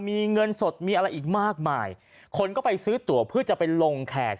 มีเงินสดมีอะไรอีกมากมายคนก็ไปซื้อตัวเพื่อจะไปลงแขก